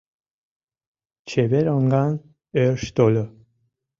Чевер оҥан ӧрш тольо.